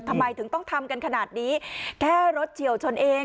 ทำไมถึงต้องทำกันขนาดนี้แค่รถเฉียวชนเอง